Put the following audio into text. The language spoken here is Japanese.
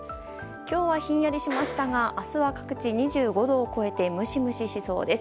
今日はひんやりしましたが明日は各地２５度を超えてムシムシしそうです。